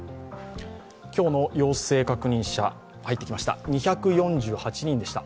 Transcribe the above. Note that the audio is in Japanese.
今日の陽性確認者、入ってきました２４８人でした。